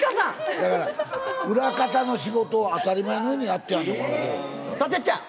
だから、裏方の仕事を当たり前のようにやってはんの、さあ、てっちゃん。